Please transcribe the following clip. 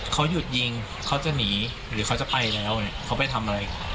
เขาหยุดยิงเขาจะหนีหรือเขาจะไปแล้วเนี่ยเขาไปทำอะไร